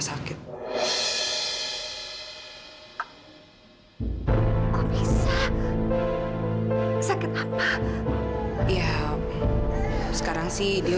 sadar gak kamu